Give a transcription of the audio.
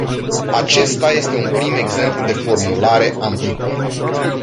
Acesta este un prim exemplu de formulare ambiguă.